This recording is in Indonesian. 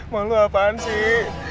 mau lo apaan sih